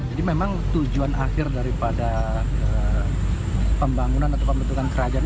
jadi memang tujuan akhir daripada pembangunan atau pembentukan kerajaan